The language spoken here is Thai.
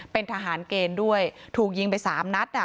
เป็นทหารเกณฑ์ด้วยถูกยิงไปสามนัดอ่ะ